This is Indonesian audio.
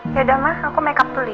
ya udah ma aku makeup dulu ya